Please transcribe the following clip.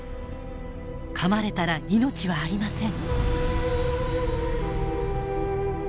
かまれたら命はありません。